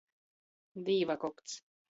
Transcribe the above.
Dīvakokts.